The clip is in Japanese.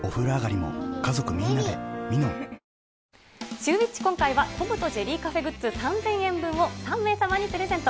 シューＷｈｉｃｈ、今回はトムとジェリーカフェグッズ、３０００円分を３名様にプレゼント。